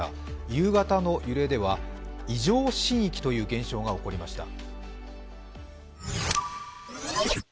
夕方の揺れでは異常震域という現象が起こりました。